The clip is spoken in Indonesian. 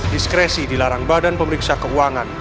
diskresi dilarang badan pemeriksa keuangan